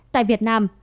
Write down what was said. tại việt nam